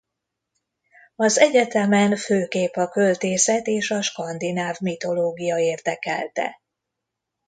Az egyetemen főképp a költészet és a skandináv mitológia érdekelte.